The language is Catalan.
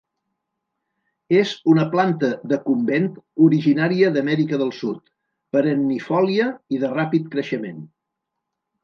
És una planta decumbent originària d'Amèrica del Sud, perennifòlia i de ràpid creixement.